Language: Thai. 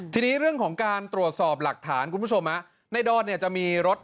ทีนี้เรื่องของการตรวจสอบหลักฐานคุณผู้ชมในดอนเนี่ยจะมีรถ